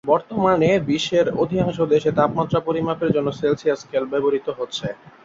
বর্তমানে বিশ্বের অধিকাংশ দেশে তাপমাত্রা পরিমাপের জন্য সেলসিয়াস স্কেল ব্যবহৃত হচ্ছে।